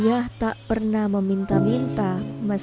satu saja tidak ada